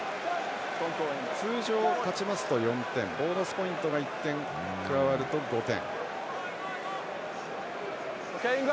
通常、勝ちますと４点ボーナスポイントが１点加わると５点。